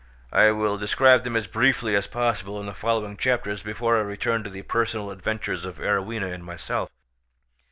I will describe them as briefly as possible in the following chapters before I return to the personal adventures of Arowhena and myself.